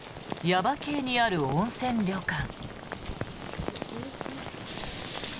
耶馬渓にある温泉旅館。